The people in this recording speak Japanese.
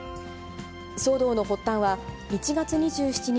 騒動の発端は、１月２７日